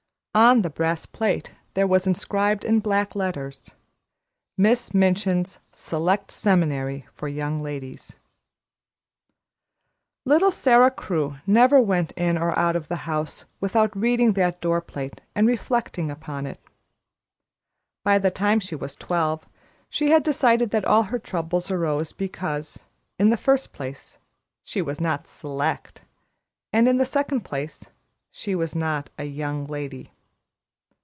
On the brass plate there was inscribed in black letters, MISS MINCHIN'S SELECT SEMINARY FOR YOUNG LADIES Little Sara Crewe never went in or out of the house without reading that door plate and reflecting upon it. By the time she was twelve, she had decided that all her trouble arose because, in the first place, she was not "Select," and in the second she was not a "Young Lady."